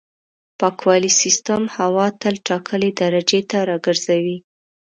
پاکوالي سیستم هوا تل ټاکلې درجې ته راګرځوي.